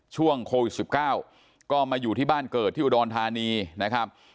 ช่วงโควิด๑๙ก็มาอยู่ที่บ้านเกิดที่อุดรธานีนะครับ